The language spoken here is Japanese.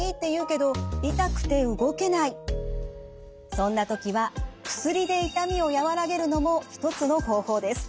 そんな時は薬で痛みを和らげるのも一つの方法です。